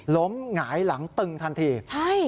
ล้มหงายหลังตึงทันที